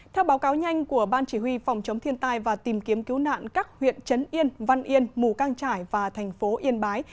theo báo cáo nhanh của ban chỉ huy phòng chống thiên tai và tìm kiếm cứu nạn các huyện trấn yên văn yên mù cang trải và thành phố yên bái